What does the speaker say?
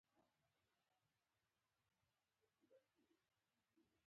ښایست د فطرت د ښکلا ژبه ده